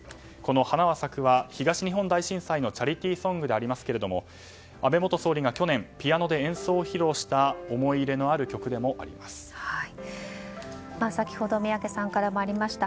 「花は咲く」は東日本大震災のチャリティーソングですが安倍元総理が去年ピアノで演奏披露した先ほど宮家さんからもありました